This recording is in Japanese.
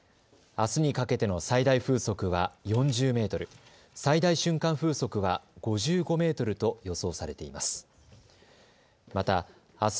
あすにかけての最大風速は４０メートル、最大瞬間風速は５５メートルと予想されています。